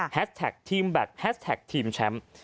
แท็กทีมแบตแฮสแท็กทีมแชมป์